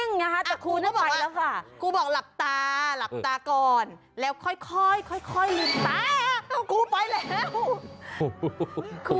คำถามคือครูตกใจกว่าเด็กอีกค่ะ